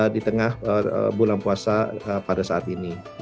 di tengah bulan puasa pada saat ini